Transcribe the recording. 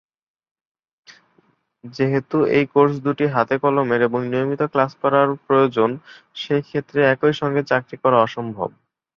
যেহেতু এই কোর্স দুটি হাতে কলমের এবং নিয়মিত ক্লাস করার প্রয়োজন, সে ক্ষেত্রে একই সঙ্গে চাকরি করা অসম্ভব।